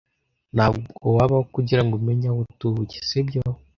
Ntabwo wabaho kugirango umenye aho atuye, sibyo?